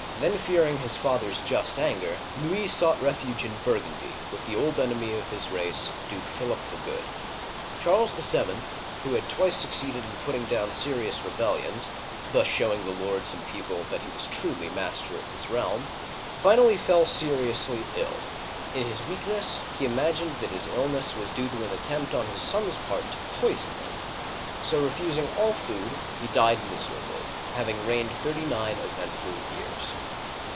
Then fearing his father's just anger, Louis sought refuge in Burgundy, with the old enemy of his race, Duke Philip the Good. Charles VII., who had twice succeeded in putting down serious rebellions, — thus showing the lords and people that he was truly master of his realm, — finally fell seriously ill. In his weakness, he imagined that bis illness was due to an attempt on his son's part to poison him, so refusing all food, he died miserably, having reigned thirty nine eventful years.